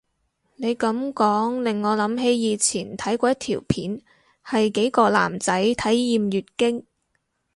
你噉講令我諗起以前睇過一條片係幾個男仔體驗月經